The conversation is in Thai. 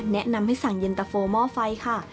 แนะนำให้สั่งเย็นตะโฟหม้อไฟค่ะ